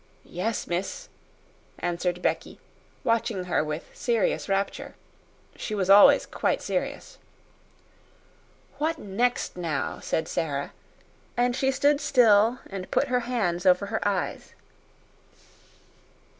"Yes, miss," answered Becky, watching her with serious rapture. She was always quite serious. "What next, now?" said Sara, and she stood still and put her hands over her eyes.